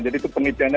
jadi itu penelitiannya